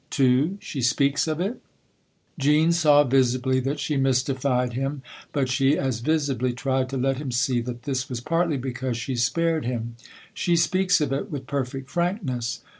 "Two? She speaks of it ?" Jean saw, visibly, that she mystified him ; but she as visibly tried to let him see that this was partly because she spared him. " She speaks of it with perfect frankness."